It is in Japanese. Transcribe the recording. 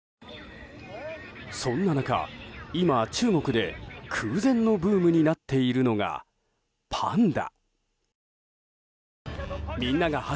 そんな中、今、中国で空前のブームになっているのがパンダ。